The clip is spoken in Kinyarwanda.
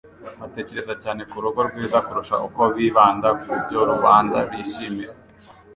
batekereza cyane ku rugo rwiza kurusha uko bibanda ku byo rubanda bishimira